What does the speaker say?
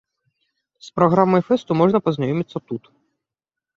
З праграмай фэсту можна пазнаёміцца тут.